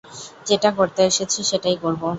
যেটা করতে এসেছি সেটাই করবো।